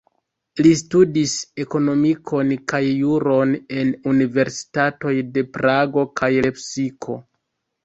Li studis ekonomikon kaj juron en universitatoj de Prago kaj Lepsiko.